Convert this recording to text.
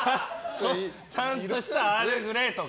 ちゃんとしたアールグレイとか。